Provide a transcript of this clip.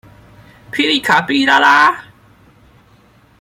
霹靂卡霹靂拉拉